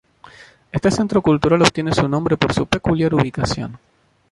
Este centro cultural obtiene su nombre por su peculiar ubicación.